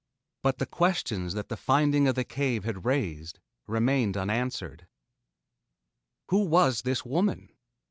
But the questions that the finding of the cave had raised remained unanswered. Who was this woman?